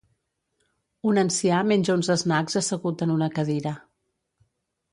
Un ancià menja uns snacks assegut en una cadira.